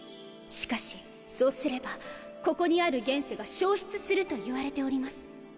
しかしそうすればここにある現世が消失すると言われております。